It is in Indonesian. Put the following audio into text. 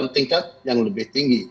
tingkat yang lebih tinggi